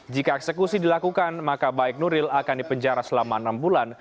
jika eksekusi dilakukan maka baik nuril akan dipenjara selama enam bulan